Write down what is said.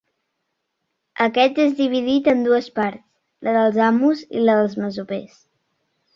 Aquest és dividit en dues parts, la dels amos i la dels masovers.